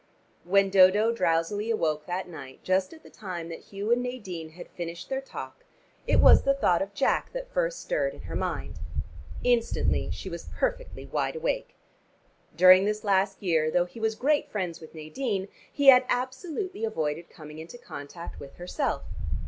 When Dodo drowsily awoke that night just at the time that Hugh and Nadine had finished their talk it was the thought of Jack that first stirred in her mind. Instantly she was perfectly wide awake. During this last year, though he was great friends with Nadine, he had absolutely avoided coming into contact with herself.